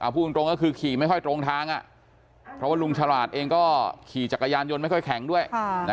พูดตรงก็คือขี่ไม่ค่อยตรงทางเพราะว่าลุงฉลาดเองก็ขี่จักรยานยนต์ไม่ค่อยแข็งด้วย